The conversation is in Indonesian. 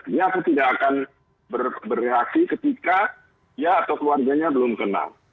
dia tidak akan bereaksi ketika dia atau keluarganya belum kenal